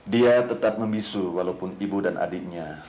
dia tetap memisu walaupun ibu dan adiknya